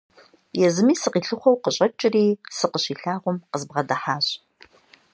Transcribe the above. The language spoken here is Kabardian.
Езыми сыкъилъыхъуэу къыщӀэкӀри, сыкъыщилъагъум, къызбгъэдыхьащ.